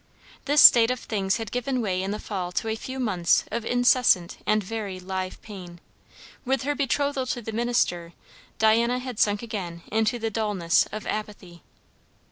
This state of things had given way in the fall to a few months of incessant and very live pain; with her betrothal to the minister Diana had sunk again into the dulness of apathy.